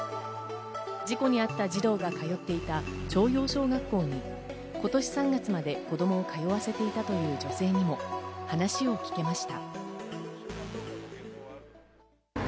事故に遭った児童が通っていた朝陽小学校に今年３月まで子供を通わせていたという女性にも話を聞きました。